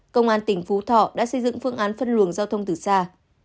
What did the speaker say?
công an tỉnh phú thọ đã xây dựng phương án phân luồng giao thông từ xa